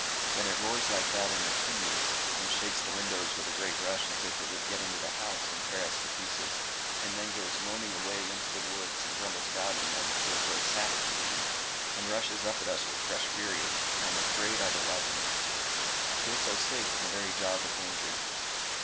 When it roars like that in the chimneys, and shakes the windows with a great rush as if it would get into the house and tear us to pieces, and then goes moaning away into the woods and grumbles about in them till it grows savage again, and rushes up at us with fresh fury, I am afraid I delight in it. I feel so safe in the very jaws of danger."